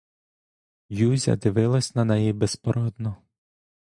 Юзя дивилась на неї безпорадно.